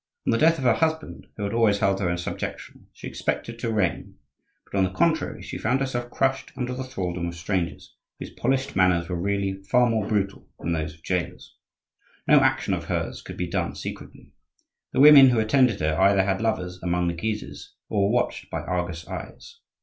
On the death of her husband, who had always held her in subjection, she expected to reign; but, on the contrary, she found herself crushed under the thraldom of strangers, whose polished manners were really far more brutal than those of jailers. No action of hers could be done secretly. The women who attended her either had lovers among the Guises or were watched by Argus eyes.